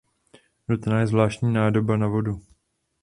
Nutná je zvláštní nádoba na vodu.